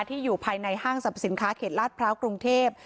อยู่ภายในห้างสรรพสินค้าเขตลาดพร้าวกรุงเทพ